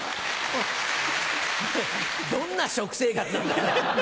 どんな食生活なんだ。